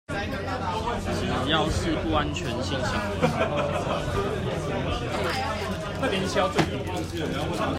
只要是不安全性行為